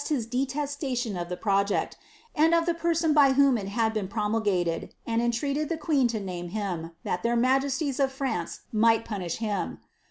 249 his detefftatioQ of the project, and of the person by whom it had been promulgated ; and entreated the queen to name him, that their majesties of France might punish him.